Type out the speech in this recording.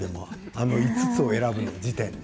あの５つを選ぶ時点で。